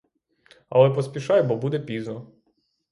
Але поспішай, бо буде пізно.